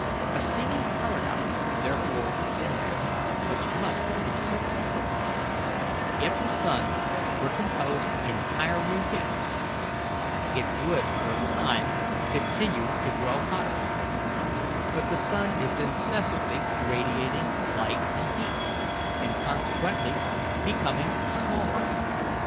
A seeming paradox therefore comes in here, which must be considered: If the sun were composed entirely of gas, it would for a time continue to grow hotter; but the sun is incessantly radiating light and heat, and consequently becoming smaller.